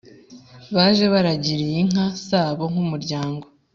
baje biragiriye inka zabo nk’umuryango